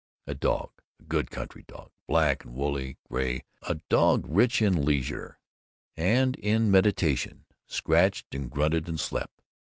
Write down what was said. A dog, a good country dog, black and woolly gray, a dog rich in leisure and in meditation, scratched and grunted and slept.